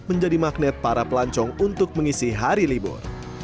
menjadi magnet para pelancong untuk mengisi hari libur